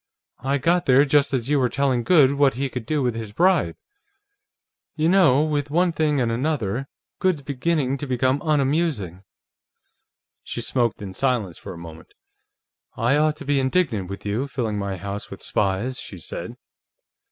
"I got there just as you were telling Goode what he could do with his bribe. You know, with one thing and another, Goode's beginning to become unamusing." She smoked in silence for a moment. "I ought to be indignant with you, filling my house with spies," she said.